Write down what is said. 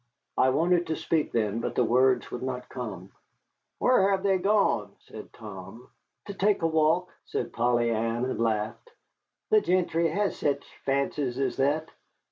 I wanted to speak then, but the words would not come. "Whar hev they gone?" said Tom. "To take a walk," said Polly Ann, and laughed. "The gentry has sech fancies as that.